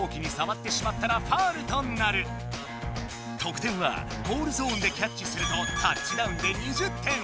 ただし得点はゴールゾーンでキャッチすると「タッチダウン」で２０点！